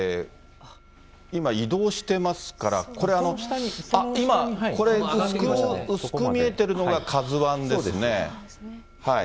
今、移動してますから、これ、薄く見えてるのがＫＡＺＵＩですね。